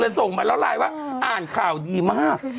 ส่งมาแล้วไลน์ว่าอ่านข่าวดีมาก